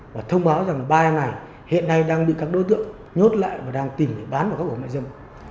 và thông báo rằng ba em này hiện nay đang bị các đối tượng nhốt lại và đang tìm để bán vào các cổng mại dân